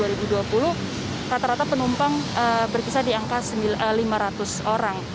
rata rata penumpang berkisar di angka lima ratus orang